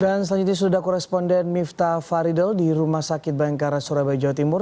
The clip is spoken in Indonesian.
dan selanjutnya sudah koresponden mifta faridul di rumah sakit bankara surabaya jawa timur